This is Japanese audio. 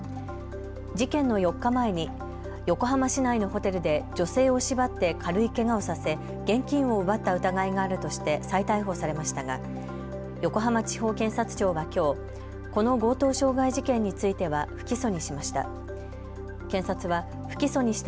事件の４日前に横浜市内のホテルで女性を縛って軽いけがをさせ現金を奪った疑いがあるとして再逮捕されましたが横浜地方検察庁はきょう、この強盗傷害事件については不起訴にしました。